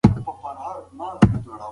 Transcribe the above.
آیا ډوډۍ به په وخت تیاره شي؟